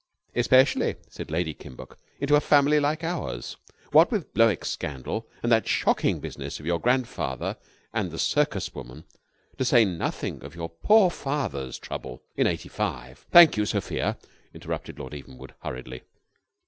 "Especially," said Lady Kimbuck, "into a family like ours. What with Blowick's scandal, and that shocking business of your grandfather and the circus woman, to say nothing of your poor father's trouble in '85 " "Thank you, Sophia," interrupted Lord Evenwood, hurriedly.